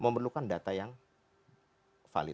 memerlukan data yang valid